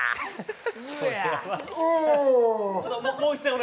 お！